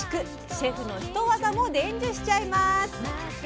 シェフのひと技も伝授しちゃいます。